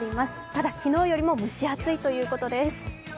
ただ昨日よりも蒸し暑いということです。